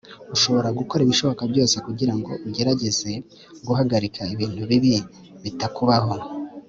urashobora gukora ibishoboka byose kugirango ugerageze guhagarika ibintu bibi bitakubaho